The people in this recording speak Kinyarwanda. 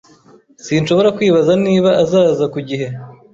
Sinshobora kwibaza niba azaza ku gihe